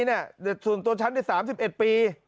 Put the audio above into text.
แต่ส่วนตัวฉันใน๓๑ปี